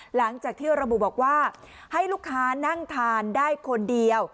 หลังจากที่ระบุบอกว่าให้ลูกค้านั่งทานได้คนเดียว